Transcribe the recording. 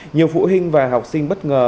nhiều phụ huynh và học sinh bất ngờ